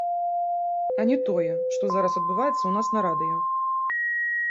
А не тое, што зараз адбываецца ў нас на радыё.